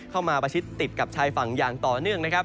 มาประชิดติดกับชายฝั่งอย่างต่อเนื่องนะครับ